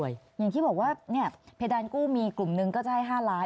อย่างที่บอกว่าเพดานกู้มีกลุ่มนึงก็ได้๕ล้าน